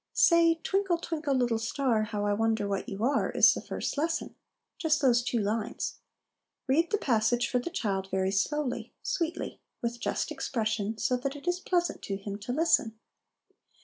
Say " Twinkle, twinkle, little star, How I wonder what you are," is the first lesson ; just those two lines. Read the passage for the child, very slowly, sweetly, with just expression, so that it is pleasant to him to listen.